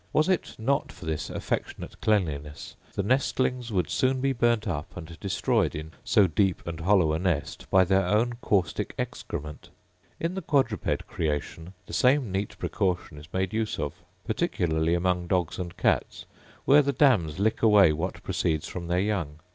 Was it not for this affectionate cleanliness the nestlings would soon be burnt up, and destroyed in so deep and hollow a nest, by their own caustic excrement. In the quadruped creation the same neat precaution is made use of; particularly among dogs and cats, where the dams lick away what proceeds from their young.